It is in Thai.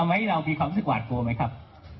อ๋อไม่ครับ